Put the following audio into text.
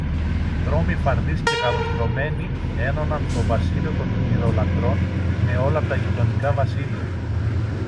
δρόμοι φαρδείς και καλοστρωμένοι ένωναν το βασίλειο των Μοιρολάτρων με όλα τα γειτονικά βασίλεια.